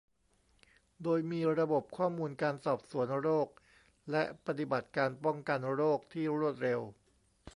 โดยมีระบบข้อมูลการสอบสวนโรค และ ปฏิบัติการป้องกันโรคที่รวดเร็ว